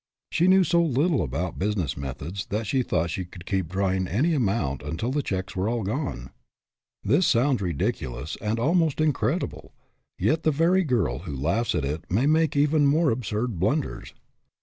She knew so little about business methods that she thought she could keep drawing any amount until the checks were all gone. This sounds ridiculous and almost in credible, yet the very girl who laughs at it may make even more absurd blunders.